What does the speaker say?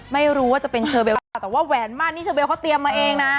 ไม่รู้ว่าจะเป็นเชอเบลหรือเปล่าแต่ว่าแหวนมั่นนี่เชอเบลเขาเตรียมมาเองนะ